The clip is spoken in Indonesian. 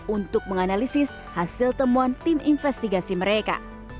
untuk menganalisis hasil temuan tim investigasi mereka